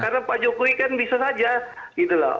karena pak jokowi kan bisa saja gitu loh